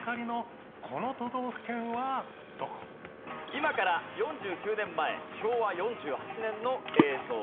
今から４９年前昭和４８年の映像です。